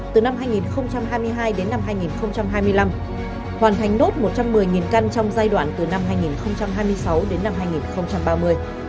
từ năm hai nghìn hai mươi hai đến năm hai nghìn hai mươi năm hoàn thành nốt một trăm một mươi căn trong giai đoạn từ năm hai nghìn hai mươi sáu đến năm hai nghìn ba mươi